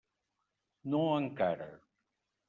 No encara.